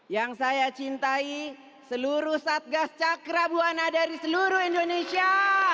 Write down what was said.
yang saya cintai seluruh satgas cakra buana dari seluruh indonesia